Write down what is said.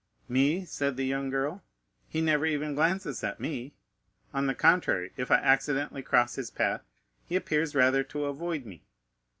"Me?" said the young girl, "he never even glances at me; on the contrary, if I accidentally cross his path, he appears rather to avoid me.